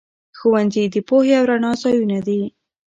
ښوونځي د پوهې او رڼا ځايونه دي.